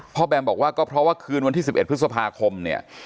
แบมบอกว่าก็เพราะว่าคืนวันที่๑๑พฤษภาคมเนี่ย